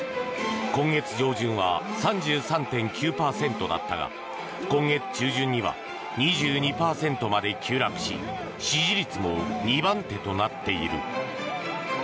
今月上旬は３３．９％だったが今月中旬には２２％まで急落し支持率も２番手となっている。